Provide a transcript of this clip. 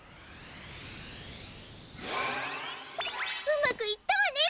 うまくいったわね